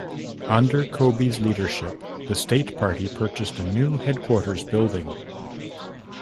Under Cobey's leadership, the state party purchased a new headquarters building.